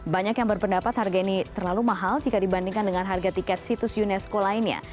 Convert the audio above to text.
banyak yang berpendapat harga ini terlalu mahal jika dibandingkan dengan harga tiket situs unesco lainnya